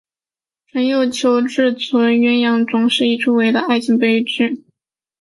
程砚秋自称鸳鸯冢是一出伟大的爱情悲剧。